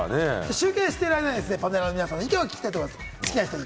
集計してる間にパネラーの皆さんの意見を聞きたいと思います。